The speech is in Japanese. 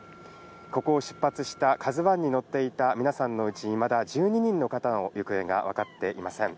ここを出発したＫＡＺＵＩに乗っていた皆さんのうち、いまだ１２人の方の行方が分かっていません。